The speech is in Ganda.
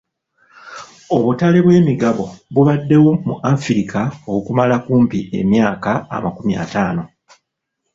Obutale bw'emigabo bubaddewo mu Afirika okumala kumpi emyaka amakumi ataano.